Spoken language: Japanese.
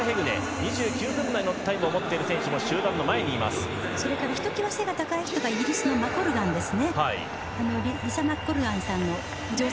２９分台のタイムを持っている選手もひと際タイムがいい選手はイギリスのマコルガンですね。